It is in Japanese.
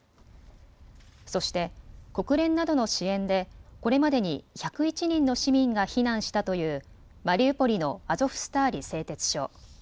そして国連などの支援でこれまでに１０１人の市民が避難したというマリウポリのアゾフスターリ製鉄所。